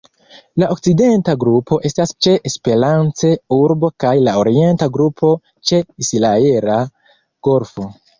La okcidenta grupo estas ĉe Esperance-Urbo kaj la orienta grupo ĉe Israela Golfo.